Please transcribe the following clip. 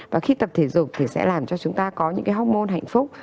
và khi tập thể dục thì sẽ làm cho chúng ta có những cái hormôn hạnh phúc